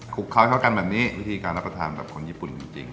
คล้ายเข้ากันแบบนี้วิธีการรับประทานแบบคนญี่ปุ่นจริง